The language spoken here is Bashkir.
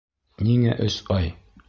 Ниңә өс ай?